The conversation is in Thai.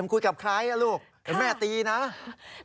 บอกเร็วไปไม่ได้รถแม่เต็มแล้ว